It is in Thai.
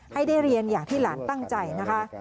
ให้ได้เรียนอย่างที่หลานตั้งใจนะคะ